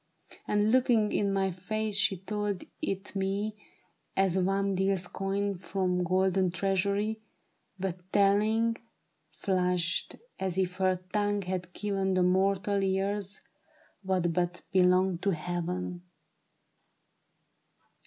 And looking in my face she told it me As one deals coin from golden treasury. But telling, flushed, as if her tongue had given To mortal ears what but belonged to heaven.